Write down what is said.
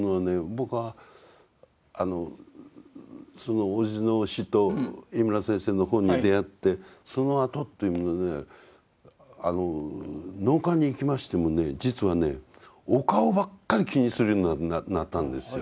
僕はそのおじの死と井村先生の本に出会ってそのあとというものね納棺に行きましてもね実はねお顔ばっかり気にするようになったんですよ。